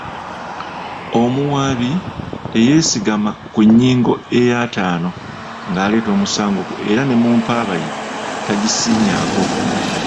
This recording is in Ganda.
Omuwaabi teyeesigama ku nnyingo ey'ataano ng'aleeta omusango gwe era ne mu mpaaba ye tagisiinyaako.